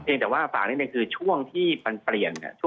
เพียงแต่ว่าฝากนี้คือช่วงทานเฟอร์เนี่ย